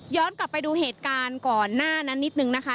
กลับไปดูเหตุการณ์ก่อนหน้านั้นนิดนึงนะคะ